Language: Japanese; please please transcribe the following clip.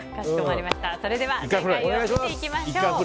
それでは正解を見ていきましょう。